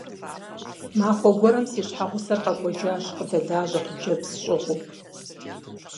Махуэ гуэрым си щхьэгъусэр къэкӏуэжащ къыдэлажьэ хъыджэбз щӀыгъуу.